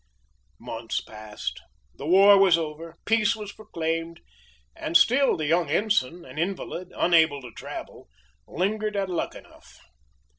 Months passed the war was over peace was proclaimed, and still the young ensign, an invalid, unable to travel, lingered at Luckenough.